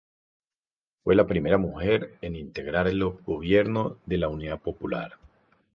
Fue la primera mujer en integrar el gobierno de la Unidad Popular.